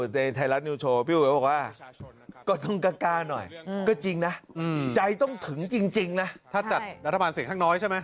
สมบัติเสียงขั้งน้อยใช่ไหม